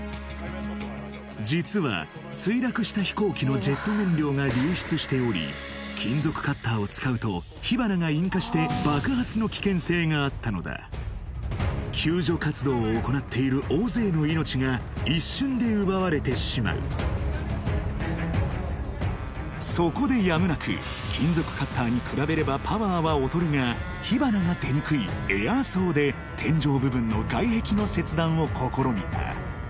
実は墜落した飛行機のしており金属カッターを使うと火花が引火して爆発の危険性があったのだ救助活動を行っている大勢の命が一瞬で奪われてしまうそこでやむなく金属カッターに比べればパワーは劣るが火花が出にくいエアーソーで天井部分の外壁の切断を試みた